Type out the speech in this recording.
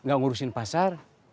gak ngurusin pasar